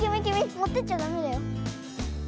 もってっちゃダメだよ。